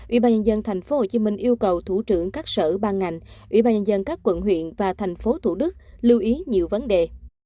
ubnd tp hcm yêu cầu thủ trưởng các sở ban ngành ubnd các quận huyện và tp thủ đức lưu ý nhiều vấn đề